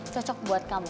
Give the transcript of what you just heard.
cocok buat kamu